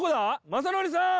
雅紀さん！